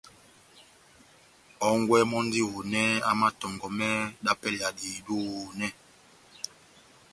Hɔ́ngwɛ mɔndi ohonɛ amatɔngɔmɛ dá pɛlɛ ya dihedu ohonɛ.